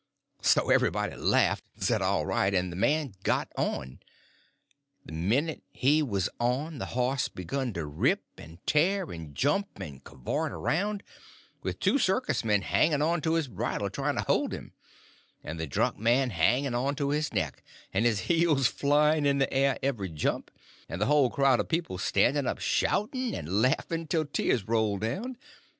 So everybody laughed and said all right, and the man got on. The minute he was on, the horse begun to rip and tear and jump and cavort around, with two circus men hanging on to his bridle trying to hold him, and the drunk man hanging on to his neck, and his heels flying in the air every jump, and the whole crowd of people standing up shouting and laughing till tears rolled down.